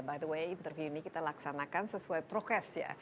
by the way interview ini kita laksanakan sesuai prokes ya